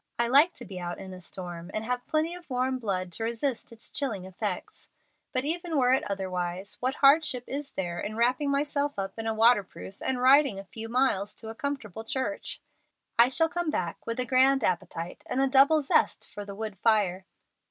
I like to be out in a storm, and have plenty of warm blood to resist its chilling effects. But even were it otherwise, what hardship is there in my wrapping myself up in a waterproof and riding a few miles to a comfortable church? I shall come back with a grand appetite and a double zest for the wood fire."